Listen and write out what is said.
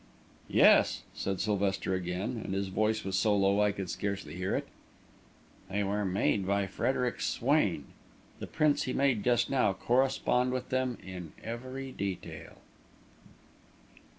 "Yes," said Sylvester again, and his voice was so low I could scarcely hear it. "They were made by Frederic Swain. The prints he made just now correspond with them in every detail!"